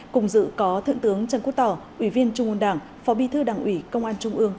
cùng dự có thượng tướng trần quốc tỏ ủy viên trung ương đảng phó bí thư đảng ủy công an trung ương